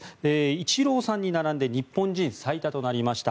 イチローさんに並んで日本人最多となりました。